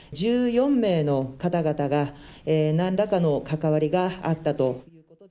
１４名の方々が、なんらかの関わりがあったと。